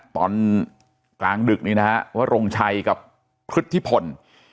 ตอนกลางดึกนี้นะฮะวรงชัยกับพฤทธิพล